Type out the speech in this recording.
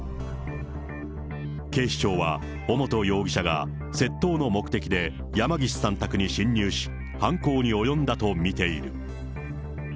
警視庁は尾本容疑者が窃盗の目的で、山岸さん宅に侵入し、犯行に及んだと見ている。